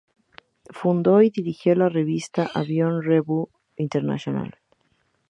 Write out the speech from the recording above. Fundó y dirigió la revista Avión Revue Internacional.